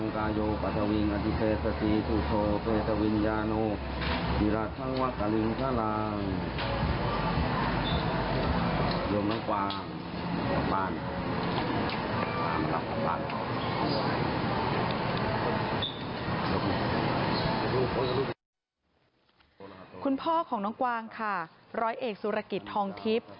คุณพ่อของน้องกวางค่ะร้อยเอกสุรกิจทองทิพย์